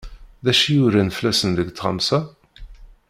D acu i uran fell-asen deg tɣamsa?